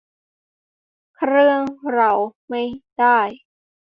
เครื่องเราไม่ได้